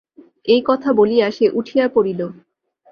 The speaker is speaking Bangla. এই কথা বলিয়া সে উঠিয়া পড়িল।